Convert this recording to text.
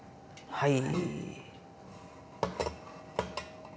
はい。